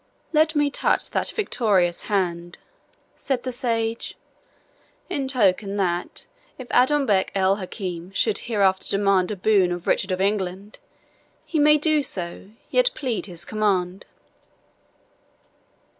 "Let me touch that victorious hand," said the sage, "in token that if Adonbec el Hakim should hereafter demand a boon of Richard of England, he may do so, yet plead his command."